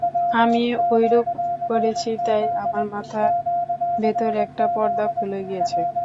আমি ঐরূপ করেছি, তাই আমার মাথার ভেতর একটা পর্দা খুলে গিয়েছে।